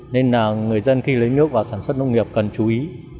nên là người dân khi lấy nước vào sản xuất nông nghiệp cần chú ý